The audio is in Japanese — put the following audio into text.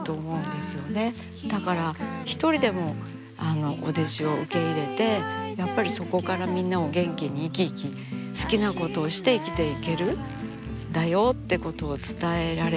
だから一人でもお弟子を受け入れてやっぱりそこからみんなを元気に生き生き好きなことをして生きていけるんだよってことを伝えられればなあって。